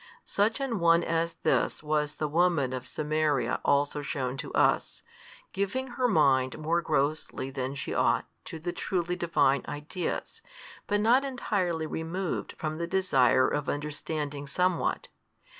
Such an one as this was the woman of Samaria also shewn to us, giving her mind more grossly than she ought to the truly Divine ideas, but not entirely removed from the desire of understanding somewhat.